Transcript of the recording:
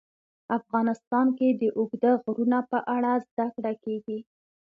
افغانستان کې د اوږده غرونه په اړه زده کړه کېږي.